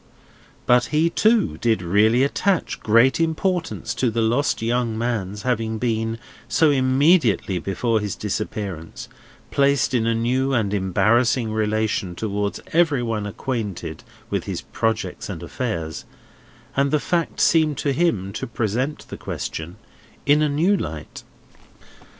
But he, too, did really attach great importance to the lost young man's having been, so immediately before his disappearance, placed in a new and embarrassing relation towards every one acquainted with his projects and affairs; and the fact seemed to him to present the question in a new light.